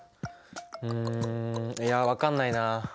うんいや分かんないな。